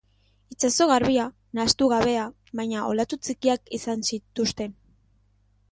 Itsaso garbia, nahastu gabea, baina olatu txikiak izan zituzten.